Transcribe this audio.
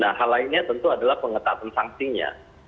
nah hal lainnya tentu adalah pengetatan sanksinya